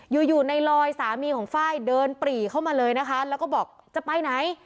อยู่อยู่ในลอยสามีของไฟล์เดินปรีเข้ามาเลยนะคะแล้วก็บอกจะไปไหน